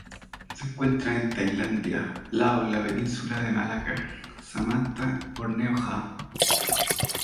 Se encuentra en Tailandia, Laos, la Península de Malaca, Sumatra, Borneo Java.